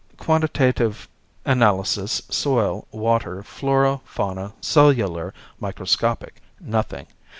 Quantitative analysis, soil, water, flora, fauna, cellular, microscopic. Nothing.